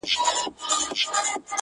زه د جهل ځنځیرونه د زمان کندي ته وړمه -